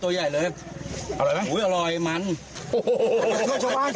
โอ้เกมไปไต่ตัวใหญ่เลยมันดีมาก